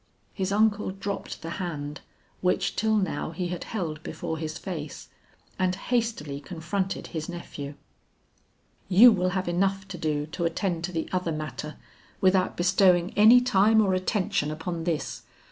His uncle dropped the hand which till now he had held before his face, and hastily confronted his nephew. "You will have enough to do to attend to the other matter without bestowing any time or attention upon this.